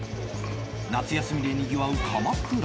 夏休みでにぎわう鎌倉。